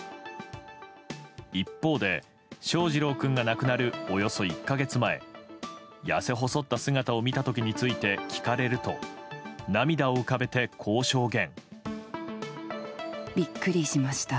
一方で、翔士郎君が亡くなるおよそ１か月前痩せ細った姿を見た時について聞かれると涙を浮かべて、こう証言。